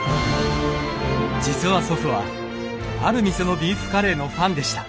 実は祖父はある店のビーフカレーのファンでした。